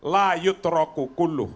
layut roh kukuluh